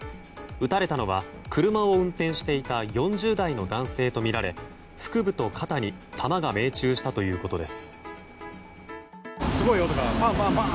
撃たれたのは車を運転していた４０代の男性とみられ腹部と肩に弾が命中したということです。